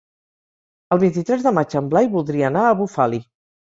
El vint-i-tres de maig en Blai voldria anar a Bufali.